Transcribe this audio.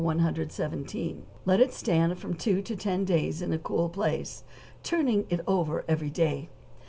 117, and let it stand from two to ten days in a cool place, turning it over every day.